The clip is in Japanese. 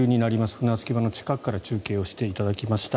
船着き場の近くから中継をしていただきました。